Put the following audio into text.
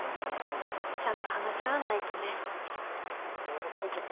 ちゃんと話し合わないとね。